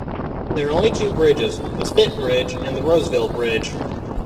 There are only two bridges - the Spit Bridge and the Roseville Bridge.